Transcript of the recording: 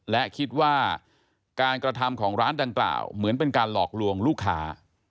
และคิดว่าการกระทำของร้านดังกล่าวเหมือนเป็นการหลอกลวงลูกค้า